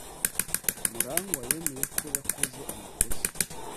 Murangwa yemeye ko yakoze amakosa.